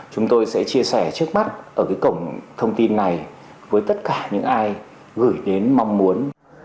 chúng tôi sẽ chia sẻ trước mắt ở cái cổng thông tin này với tất cả những ai gửi đến mong muốn